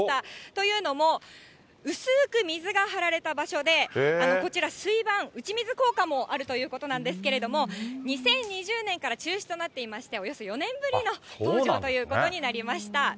というのも、薄く水が張られた場所で、こちら、水盤、打ち水効果もあるということなんですけれども、２０２０年から中止となっていまして、およそ４年ぶりの登場ということになりました。